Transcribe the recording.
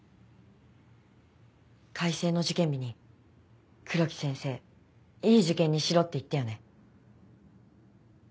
開成の受験日に黒木先生いい受験にしろって言ったよね。